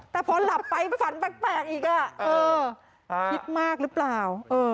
แต่พอหลับไปฝันแปลกอีกคิดมากหรือเปล่า